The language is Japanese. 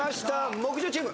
木１０チーム。